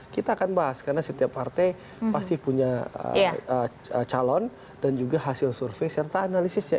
kita akan bahas karena setiap partai pasti punya calon dan juga hasil survei serta analisisnya